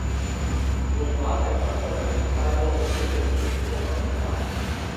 換畫嘅速度快到好似佢揭譜咁快